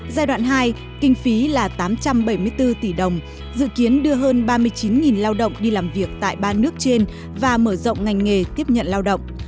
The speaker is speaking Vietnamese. giai đoạn hai kinh phí là tám trăm bảy mươi bốn tỷ đồng dự kiến đưa hơn ba mươi chín lao động đi làm việc tại ba nước trên và mở rộng ngành nghề tiếp nhận lao động